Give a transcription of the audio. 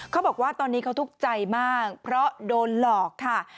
เขาบอกว่าตอนนี้เขาทุกข์ใจมากเพราะโดนหลอกค่ะ